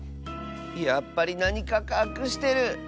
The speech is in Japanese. やっぱりなにかかくしてる。